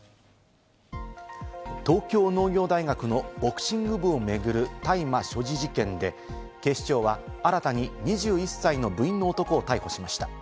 東京農業大学のボクシング部を巡る大麻所持事件で、警視庁は新たに２１歳の部員の男を逮捕しました。